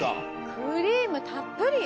クリームたっぷりよ！